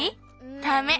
ダメ。